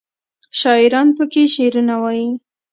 شاعران پکې شعرونه وايي.